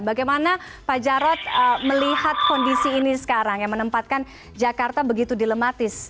bagaimana pak jarod melihat kondisi ini sekarang yang menempatkan jakarta begitu dilematis